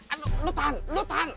aduh lo tahan lo tahan